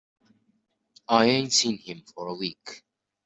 I ain't seen him for a week.